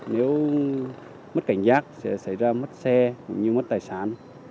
nếu mất cảnh giác sẽ xảy ra mất xe như mất tài sản